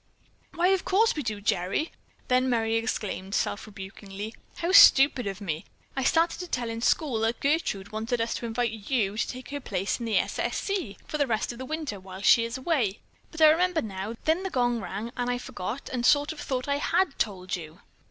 "Why, of course we do, Gerry." Then Merry exclaimed self rebukingly: "How stupid of me! I started to tell in school that Gertrude wanted us to invite you to take her place in the 'S. S. C.' for the rest of the winter, while she is away, but I remember now, the gong rang, then I forgot and sort of thought I had told you."